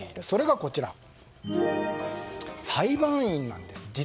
それが裁判員なんです。